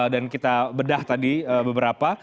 dan kita bedah tadi beberapa